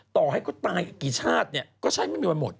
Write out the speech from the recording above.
ต่อให้เขาตายอีกกี่ชาติเนี่ยก็ใช่ไม่มีวันหมด